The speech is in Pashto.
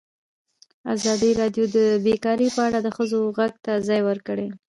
ازادي راډیو د بیکاري په اړه د ښځو غږ ته ځای ورکړی.